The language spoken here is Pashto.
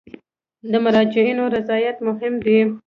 د مراجعینو رضایت مهم دی